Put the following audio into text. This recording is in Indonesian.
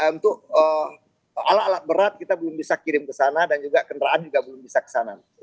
untuk alat alat berat kita belum bisa kirim ke sana dan juga kendaraan juga belum bisa ke sana